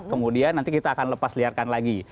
kemudian nanti kita akan lepas liarkan lagi